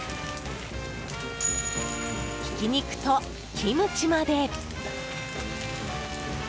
ひき肉とキムチまで！